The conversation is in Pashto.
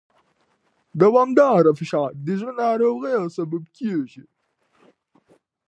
دوامداره فشار د زړه ناروغیو سبب کېږي.